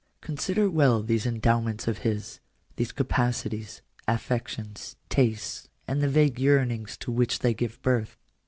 Consider well these endowments of his — these capacities, affections, tastes, and the vague yearnings to which they give birth.